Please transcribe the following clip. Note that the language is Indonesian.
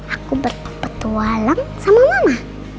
aku berpetualang sama mama